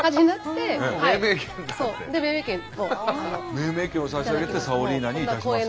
命名権を差し上げてサオリーナにいたしますと。